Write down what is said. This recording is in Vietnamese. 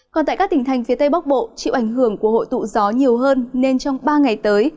còn tại các tỉnh thành phía tây bắc bộ chịu ảnh hưởng của hội tụ gió nhiều hơn nên trong ba ngày tới